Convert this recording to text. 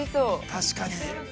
◆確かに。